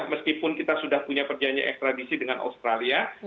meskipun kita sudah punya perjanjian ekstradisi dengan australia